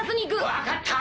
分かった！